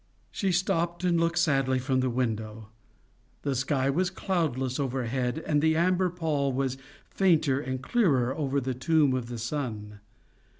She stopped, and looked sadly from the window. The sky was cloudless overhead, and the amber pall was fainter and clearer over the tomb of the sun.